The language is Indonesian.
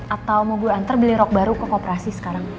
atau mau gue antar beli rok baru ke kooperasi sekarang